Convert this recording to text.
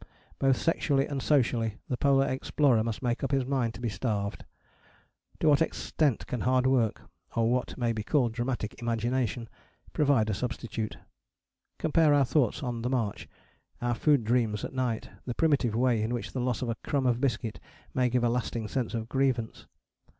Both sexually and socially the polar explorer must make up his mind to be starved. To what extent can hard work, or what may be called dramatic imagination, provide a substitute? Compare our thoughts on the march; our food dreams at night; the primitive way in which the loss of a crumb of biscuit may give a lasting sense of grievance.